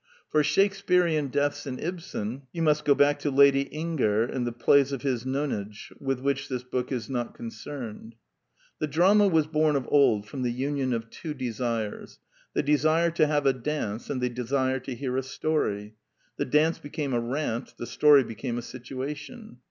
For Shake 230 The Quintessence of Ibsenism spearean deaths in Ibsen you must go back to Lady Inger and the plays of his nonage, with which this book is not concerned. The drama was born of old from the union of two desires: the desire to have a dance and the desire to hear a story. The dance became a rant: the story became a situation.